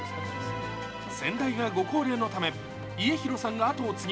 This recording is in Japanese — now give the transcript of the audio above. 仙台がご高齢のため、家広さんが跡を継ぎ